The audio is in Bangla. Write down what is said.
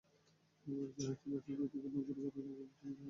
পরে জাহাজটি পাশের জেটিতে নোঙর করে রাখা আরেকটি জাহাজকে ধাক্কা দেয়।